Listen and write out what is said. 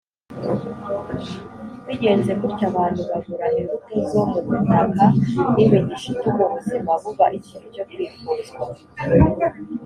Bigenze gutyo, abantu babura imbuto zo mu butaka n’imigisha ituma ubuzima buba ikintu cyo kwifuzwa.